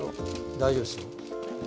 大丈夫ですよ。